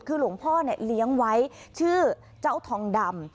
คือหลวงพ่อเนี่ยเลี้ยงไว้ชื่อเจ้าทองดำ